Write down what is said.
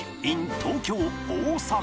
東京大阪